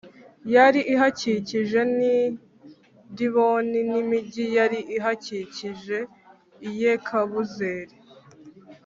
Yari ihakikije n i diboni n imigi yari ihakikije i yekabuzeri